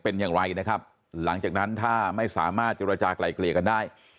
เป็นอย่างไรนะครับหลังจากนั้นถ้าไม่สามารถเจรจากลายเกลี่ยกันได้